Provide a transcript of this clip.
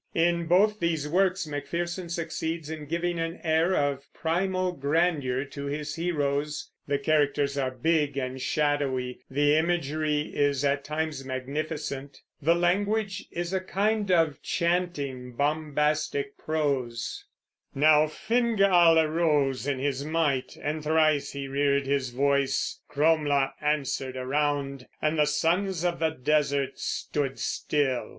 In both these works Macpherson succeeds in giving an air of primal grandeur to his heroes; the characters are big and shadowy; the imagery is at times magnificent; the language is a kind of chanting, bombastic prose: Now Fingal arose in his might and thrice he reared his voice. Cromla answered around, and the sons of the desert stood still.